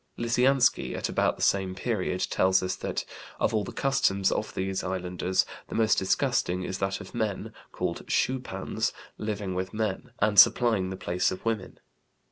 Lisiansky, at about the same period, tells us that: "Of all the customs of these islanders, the most disgusting is that of men, called schoopans, living with men, and supplying the place of women.